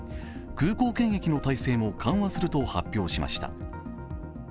空港検疫の体制も緩和すると発表しました。